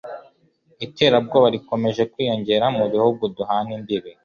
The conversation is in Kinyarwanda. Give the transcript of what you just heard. iterabwoba rikomeje kwiyongera mubihugu duhana imbibi